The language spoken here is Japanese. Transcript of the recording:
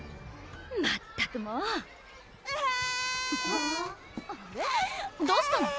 まったくもう・えん・あれどうしたの？